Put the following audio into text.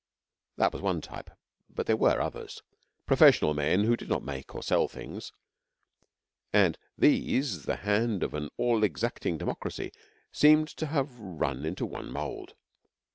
That was one type; but there were others professional men who did not make or sell things and these the hand of an all exacting Democracy seemed to have run into one mould.